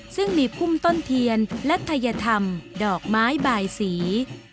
ซึ่งมีพุ่มต้นเทียนและทัยธรรมดอกไม้บายสี